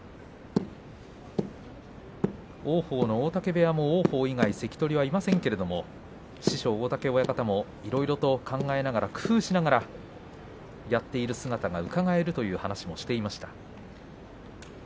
王鵬の大嶽部屋も王鵬以外関取はいませんが師匠大嶽親方もいろいろと考えながら工夫をしながらやっている姿がうかがえるという話もしていました。